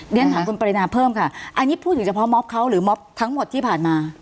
เรียนถามคุณปรินาเพิ่มค่ะอันนี้พูดถึงเฉพาะม็อบเขาหรือม็อบทั้งหมดที่ผ่านมา